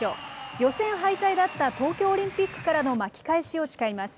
予選敗退だった東京オリンピックからの巻き返しを誓います。